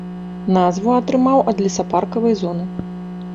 Назву атрымаў ад лесапаркавай зоны.